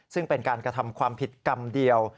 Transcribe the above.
ซึ่งเป็นการกระทำความผิดกรรมเดียว